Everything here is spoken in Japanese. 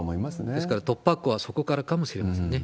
ですから突破口はそこからかもしれませんね。